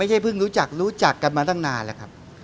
เพิ่งรู้จักรู้จักกันมาตั้งนานแล้วครับ